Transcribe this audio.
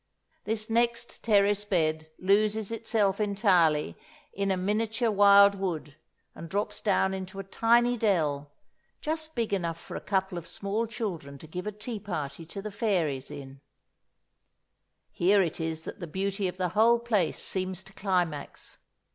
This next terrace bed loses itself entirely in a miniature wild wood and drops down into a tiny dell, just big enough for a couple of small children to give a tea party to the fairies in. Here it is that the beauty of the whole place seems to climax.